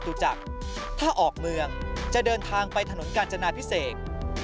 จักษ์ถ้าออกเมืองจะเดินทางไปถนนกาญจนาพิเศษ